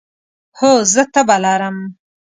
هو، زه تبه لرم